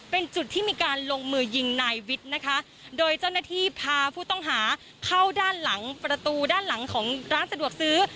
เป็นจุดที่มีการลงมือยิงนายวิทย์นะคะโดยเจ้าหน้าที่พาผู้ต้องหาเข้าด้านหลังประตูด้านหลังของร้านสะดวกซื้อ